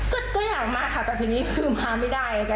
ก็อยากมาค่ะแต่ทีนี้คือมาไม่ได้ค่ะ